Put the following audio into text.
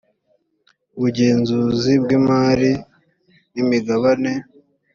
ubugenzuzi bw imari n imigabane